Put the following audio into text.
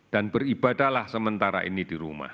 dan beribadahlah sementara ini di rumah